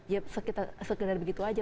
ya sekedar begitu saja